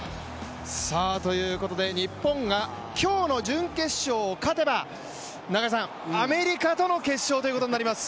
日本が今日の準決勝を勝てばアメリカとの決勝ということになります。